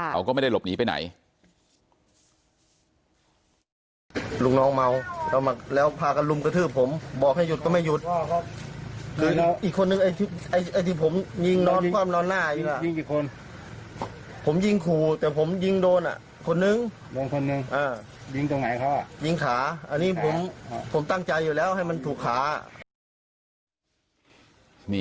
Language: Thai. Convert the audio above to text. เขาก็ไม่ได้หลบหนีไปไหน